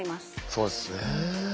そうですねえ。